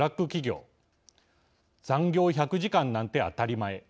「残業１００時間なんて当たり前」。